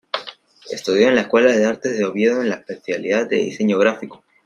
Estudió en la Escuela de Artes de Oviedo en la especialidad de Diseño Gráfico.